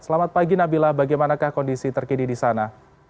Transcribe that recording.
selamat pagi nabila bagaimanakah kondisi terkini di sana